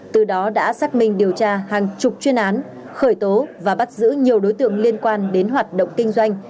từ đó đã xác minh điều tra hàng chục chuyên án khởi tố và bắt giữ nhiều đối tượng liên quan đến hoạt động kinh doanh